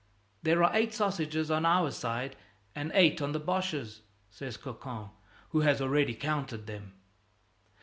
"There are eight sausages on our side and eight on the Boches'," says Cocon, who has already counted them.